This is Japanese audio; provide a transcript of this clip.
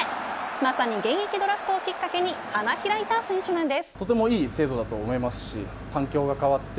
まさに現役ドラフトをきっかけに花開いた選手なんです。